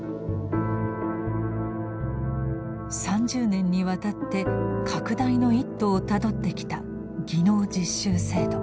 ３０年にわたって拡大の一途をたどってきた技能実習制度。